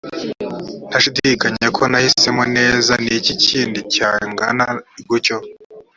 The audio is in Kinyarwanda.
ntashidikanya ko nahisemo neza ni iki kindi cyangana gutyo‽